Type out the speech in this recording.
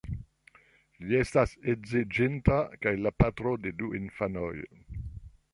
Li estas edziĝinta, kaj la patro de du infanoj.